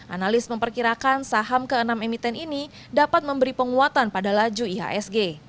analis memperkirakan saham ke enam emiten ini dapat memberi penguatan pada laju ihsg